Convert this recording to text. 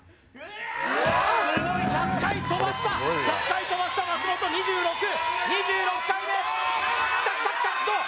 すごい１００回跳ばした１００回跳ばした松本２６２６回目きたきたきたどう？